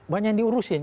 banyak yang diurusin